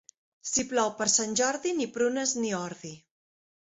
Si plou per Sant Jordi, ni prunes ni ordi.